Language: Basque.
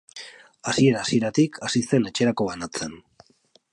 Hasiera-hasieratik hasi zen etxerako banatzen.